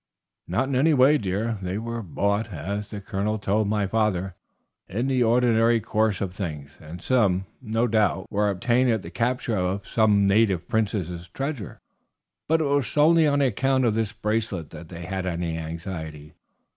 "Not in any way, dear. They were bought, as the Colonel told my father, in the ordinary course of things, and some, no doubt, were obtained at the capture of some of the native princes' treasuries; but it was solely on account of this bracelet that he had any anxiety.